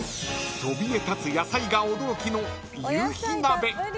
［そびえ立つ野菜が驚きの］